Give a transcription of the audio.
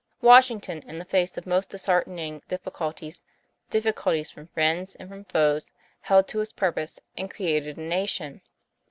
Washing ton in the face of most disheartening difficulties difficulties from friends and from foes held to his purpose, and created a nation.